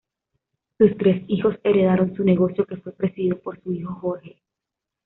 Sus tres hijos heredaron su negocio, que fue presidido por su hijo, Jorge.